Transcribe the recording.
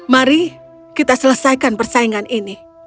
mari kita selesaikan persaingan ini